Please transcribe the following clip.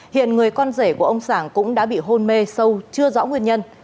hiện người con rể của ông sảng cũng đã bị hôn mê sâu chưa rõ nguyên nhân